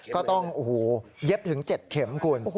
ก็ต้องเย็บถึง๗เข็มคุณ